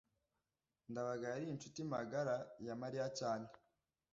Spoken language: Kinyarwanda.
ndabaga yari inshuti magara ya mariya cyane